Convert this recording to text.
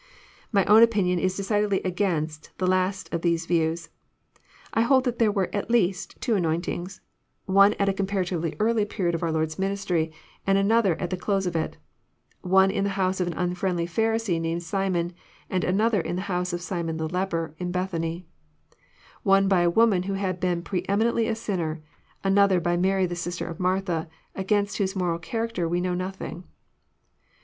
My own opinion is decidedly against the last of these views. I hold that there were at least two anointings, — one at a com paratively early period of onr Lord's ministry, and another at the close of it, — one in the house of an nnfk iendly Pharisee named Simon, and another at the bonse of Simon the leper, in Bethany, — one by a woman who had been pre eminently a sinner, another by Mary the sister of Martha, against whose moral character we know nothing.